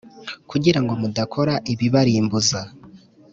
kugira ngo mudakora ibibarimbuza